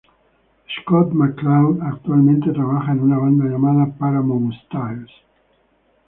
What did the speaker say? Scott McCloud actualmente trabaja en una banda llamada Paramount Styles.